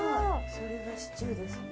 それがシチューですね。